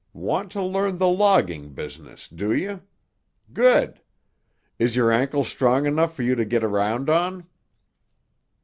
Want to learn the logging business, do you? Good! Is your ankle strong enough for you to get around on?"